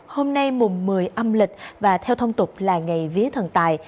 hôm nay mùng một mươi âm lịch và theo thông tục là ngày vía thần tài